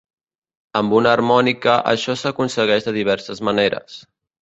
Amb una harmònica això s'aconsegueix de diverses maneres.